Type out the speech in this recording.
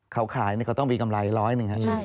เขาขายเนี่ยเขาต้องมีกำไร๑๐๐นะครับ